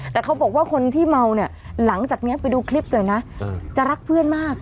แต่เขาบอกว่าคนที่เมาเนี่ยหลังจากนี้ไปดูคลิปหน่อยนะจะรักเพื่อนมาก